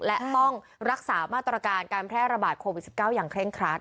และต้องรักษามาตรการการแพร่ระบาดโควิด๑๙อย่างเคร่งครัด